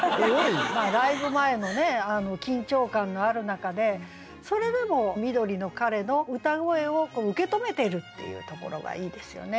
ライブ前の緊張感のある中でそれでも緑の彼の歌声を受け止めているっていうところがいいですよね。